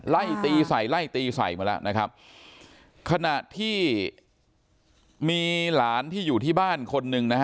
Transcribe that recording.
ไล่ตีใส่ไล่ตีใส่มาแล้วนะครับขณะที่มีหลานที่อยู่ที่บ้านคนหนึ่งนะฮะ